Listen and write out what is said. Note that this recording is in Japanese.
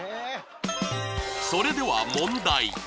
それでは問題！